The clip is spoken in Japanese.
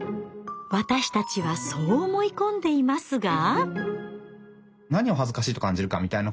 私たちはそう思い込んでいますが。